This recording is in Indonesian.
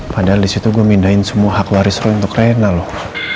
padahal disitu gue mindahin semua hak waris ro untuk rena loh